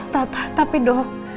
tak tapi dok